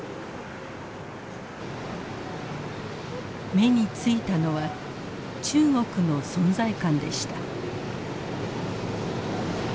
目についたのは中国の存在感でした。